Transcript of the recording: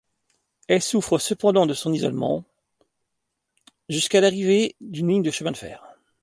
Elle souffre cependant de son isolement, jusqu'à l'arrivée d'une ligne de chemin de fer.